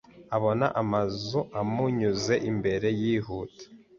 abona amazu amunyuze imbere yihuta